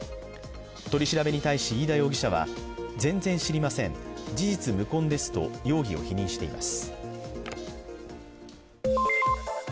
取り調べに対し、飯田容疑者は全然知りません、事実無根ですと容疑を否認しています。